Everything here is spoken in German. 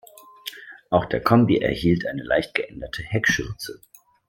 Auch der Kombi erhielt eine leicht geänderte Heckschürze.